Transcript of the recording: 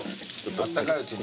あったかいうちに。